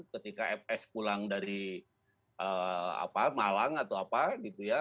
ketika fs pulang dari malang atau apa gitu ya